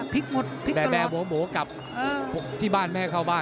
พลิกหมดพลิกตลอดแบร์แบร์โหโหกลับที่บ้านแม่เข้าบ้าน